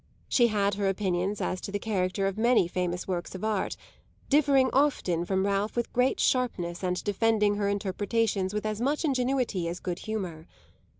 She had her opinions as to the character of many famous works of art, differing often from Ralph with great sharpness and defending her interpretations with as much ingenuity as good humour.